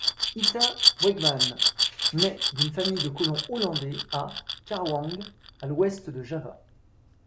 Ita Wegman naît d'une famille de colons hollandais à Karawang, à l'ouest de Java.